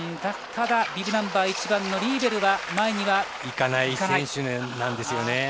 ただ、ビブナンバー１番のリーベルはいかない選手なんですよね。